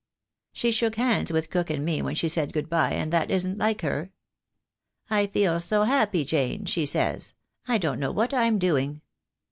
She shook hands with cook and me when she said good bye, and that isn't like her. "I feel so happy, Jane," she says, "I don't know what I'm doing."